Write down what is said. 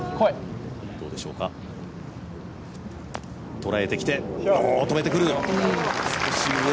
とらえてきて止めてくる。